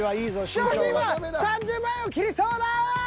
賞金は３０万円を切りそうだ！